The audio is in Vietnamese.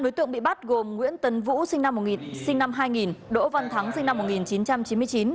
bốn đối tượng bị bắt gồm nguyễn tấn vũ sinh năm hai nghìn đỗ văn thắng sinh năm một nghìn chín trăm chín mươi chín